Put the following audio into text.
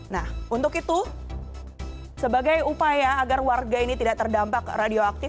nah untuk itu sebagai upaya agar warga ini tidak terdampak radioaktif